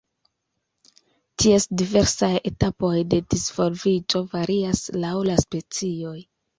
Ties diversaj etapoj de disvolviĝo varias laŭ la specioj.